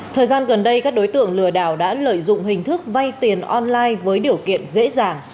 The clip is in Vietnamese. thời gian gần đây các đối tượng lừa đảo đã lợi dụng hình thức vay tiền online với điều kiện dễ dàng